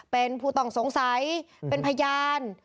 เป็นผู้ต้องสงสัยเป็นพยาน